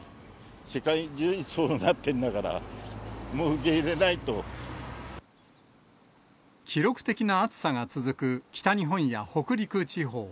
世界中そうなってるんだから、記録的な暑さが続く北日本や北陸地方。